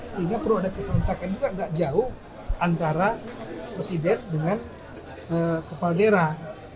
sehingga perlu ada keserentakan juga nggak jauh antara presiden dengan kepala daerah